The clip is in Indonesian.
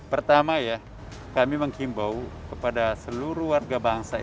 pertama ya kami menghimbau kepada seluruh warga bangsa ini